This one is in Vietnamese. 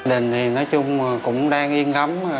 gia đình thì nói chung cũng đang yên lắm